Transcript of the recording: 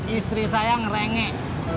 istri saya ngerengek